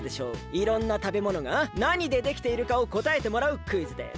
いろんなたべものが何でできているかをこたえてもらうクイズです！